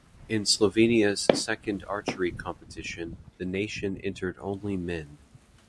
In Slovenia's second archery competition, the nation entered only men.